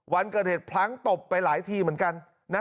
วันเกิดเหตุพลั้งตบไปหลายทีเหมือนกัน